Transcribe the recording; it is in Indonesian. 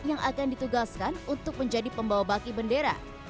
yang bertugaskan untuk menjadi pembawa baki bendera